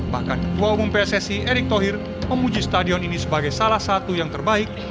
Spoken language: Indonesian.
bahkan ketua umum pssi erick thohir memuji stadion ini sebagai salah satu yang terbaik